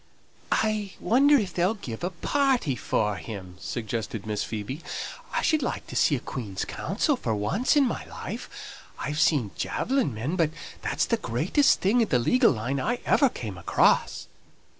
"I wonder if they'll give a party for him!" suggested Miss Phoebe. "I should like to see a Queen's counsel for once in my life. I have seen javelin men, but that's the greatest thing in the legal line I ever came across."